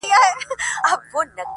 ستا خړي سترگي او ښايسته مخ دي~